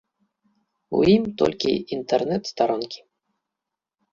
У ім толькі інтэрнэт-старонкі.